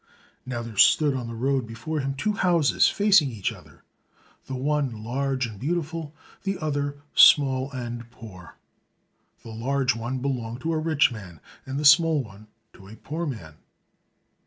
Now there stood on the road before him two houses facing each other; the one large and beautiful, the other small and poor. The large one belonged to a rich man, and the small one to a poor man.